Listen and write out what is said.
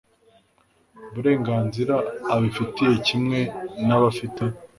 burenganzira abifitiye kimwe n abafite